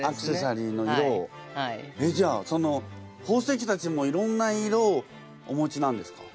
えっじゃあその宝石たちもいろんな色をお持ちなんですか？